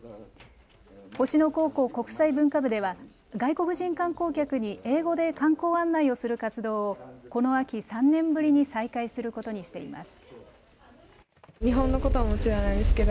星野高校国際文化部では外国人観光客に英語で観光案内をする活動をこの秋、３年ぶりに再開することにしています。